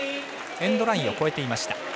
エンドラインを越えていました。